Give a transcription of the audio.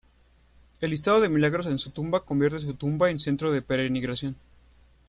El listado de milagros en su tumba convierte su tumba en centro de peregrinación.